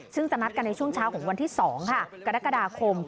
ซึ่งจะนัดกันในช่วงเช้าของวันที่๒ค่ะกรกฎาคม